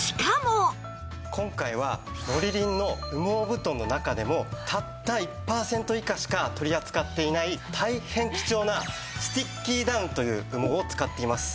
今回はモリリンの羽毛布団の中でもたった１パーセント以下しか取り扱っていない大変貴重なスティッキーダウンという羽毛を使っています。